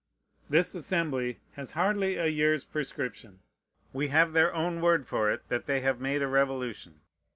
This Assembly has hardly a year's prescription. We have their own word for it that they have made a revolution.